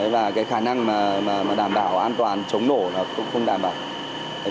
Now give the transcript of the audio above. và cái khả năng mà đảm bảo an toàn chống nổ nó cũng không đảm bảo